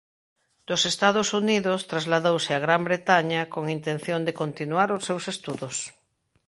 Dos Estados Unidos trasladouse a Gran Bretaña con intención de continuar os seus estudos.